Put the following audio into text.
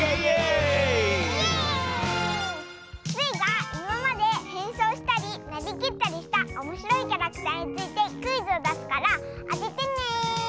スイがいままでへんそうしたりなりきったりしたおもしろいキャラクターについてクイズをだすからあててね！